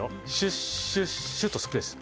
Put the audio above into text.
シュッシュッシュッとスプレーする。